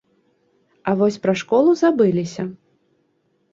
А вось пра школу забыліся.